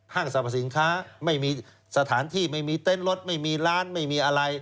สรรพสินค้าไม่มีสถานที่ไม่มีเต็นต์รถไม่มีร้านไม่มีอะไร